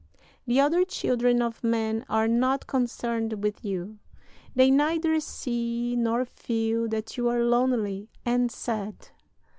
The other children of men are not concerned with you. They neither see nor feel that you are lonely and sad.